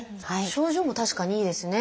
症状も確かにいいですね。